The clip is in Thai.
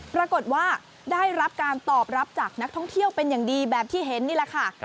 ปรากฏว่าได้รับการตอบรับจากนักท่องเที่ยวเป็นอย่างดีแบบที่เห็นนี่แหละค่ะ